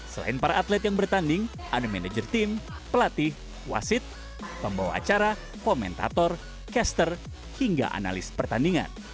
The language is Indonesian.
selain para atlet yang bertanding ada manajer tim pelatih wasit pembawa acara komentator caster hingga analis pertandingan